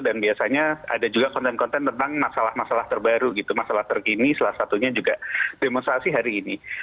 dan biasanya ada juga konten konten tentang masalah masalah terbaru gitu masalah terkini salah satunya juga demonstrasi hari ini